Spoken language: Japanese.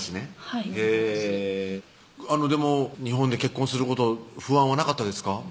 はいでも日本で結婚すること不安はなかったですか？